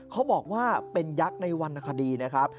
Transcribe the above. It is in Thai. เขาบอกว่าเป็นยักษ์ในวรรณคดีนะครับ